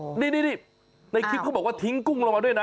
หัวใจยิ่งนักนี่ในคลิปเขาบอกว่าทิ้งกุ้งเรามาด้วยนะ